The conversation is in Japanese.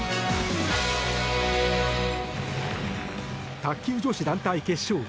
卓球女子団体決勝。